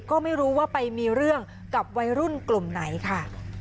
ก็ไม่รู้ว่าไปมีเรื่องกับวัยรุ่นกลุ่มไหนค่ะ